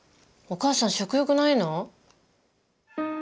お母さん食欲ないの？